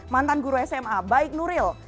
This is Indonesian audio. mantan guru sma baik nuril